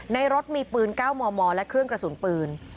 ในรถมีปืน๙มมและเครื่องกระสุนปืน